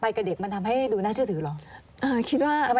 กับเด็กมันทำให้ดูน่าเชื่อถือเหรอ